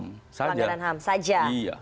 pelanggaran ham saja